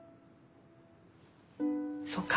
そうか。